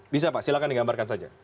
bisa pak silahkan digambarkan saja